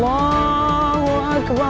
kau akan diserang kami